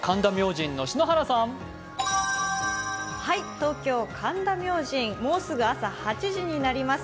東京・神田明神、もうすぐ朝８時になります。